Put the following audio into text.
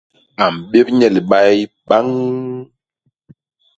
A mbép nye libay baññ!